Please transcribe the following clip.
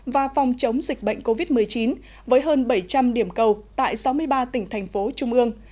và phòng chống dịch bệnh covid một mươi chín với hơn bảy trăm linh điểm cầu tại sáu mươi ba tỉnh thành phố trung ương